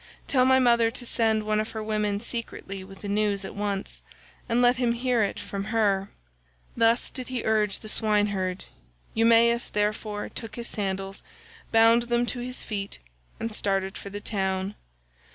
Tell my mother to send one of her women secretly with the news at once, and let him hear it from her." Thus did he urge the swineherd; Eumaeus, therefore, took his sandals, bound them to his feet, and started for the town.